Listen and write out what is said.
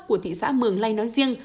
của thị xã mường lây nói riêng